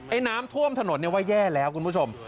น้ำท่วมถนนเนี่ยว่าแย่แล้วคุณผู้ชม